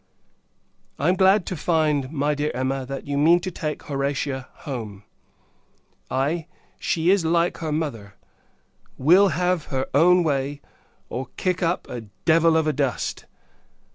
I am glad to find, my dear Emma, that you mean to take Horatia home. Aye! she is like her mother; will have her own way, or kick up a devil of a dust.